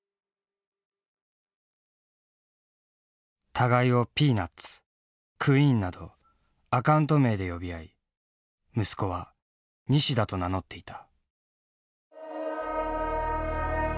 「互いを『ピーナッツ』『クイーン』などアカウント名で呼び合い息子は『西田』と名乗っていた」。